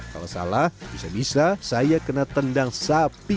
kalau salah bisa bisa saya kena tendang sapi